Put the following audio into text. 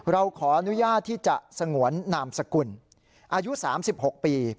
เราขออนุญาตที่จะสงวนนามสกุลอายุ๓๖ปี